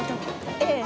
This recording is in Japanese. ええ。